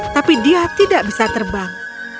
tapi dia tidak bisa terbang